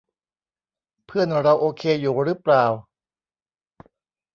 เพื่อนเราโอเคอยู่รึเปล่า